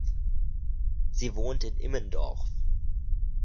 Sie wohnt in Immendorf.